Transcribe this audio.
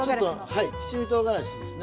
七味とうがらしも。